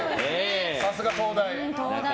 さすが東大。